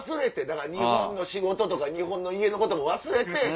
だから日本の仕事とか日本の家のことも忘れて。